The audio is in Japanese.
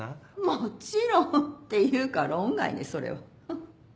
もちろん！っていうか論外ねそれは。